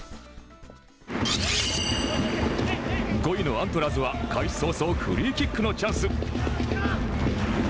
５位のアントラーズは開始早々フリーキックのチャンス。